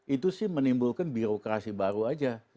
itu sih menimbulkan birokrasi baru aja